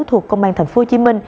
thuộc công an tp hcm